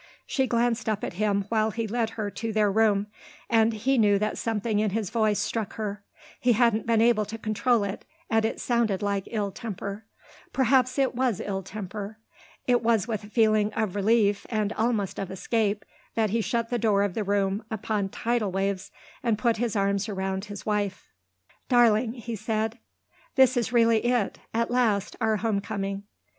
She glanced up at him while he led her to their room and he knew that something in his voice struck her; he hadn't been able to control it and it sounded like ill temper. Perhaps it was ill temper. It was with a feeling of relief, and almost of escape, that he shut the door of the room upon tidal waves and put his arms around his wife. "Darling," he said, "this is really it at last our home coming."